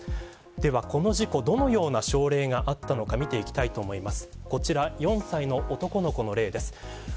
では、この事故どのような症例があったのか見ていきます。